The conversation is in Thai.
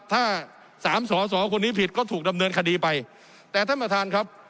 ถ้าสามสอสอคนนี้ผิดก็ถูกดำเนินคดีไปแต่ท่านประธานครับ